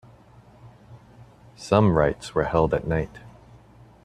Some rites were held at night.